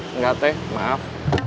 enggak teh maaf